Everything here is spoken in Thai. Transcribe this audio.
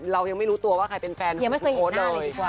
เรายังไม่รู้ตัวว่าใครเป็นแฟนของคุณโอ๊ตเลย